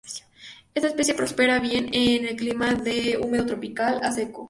Esta especie prospera bien en un clima de húmedo tropical a seco.